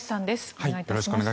お願いいたします。